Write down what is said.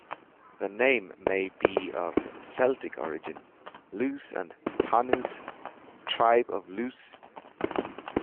The name may be of Celtic origin: "Lus" and "Tanus", "tribe of Lus".